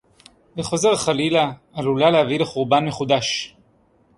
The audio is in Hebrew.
וחוזר חלילה, עלולה להביא לחורבן מחודש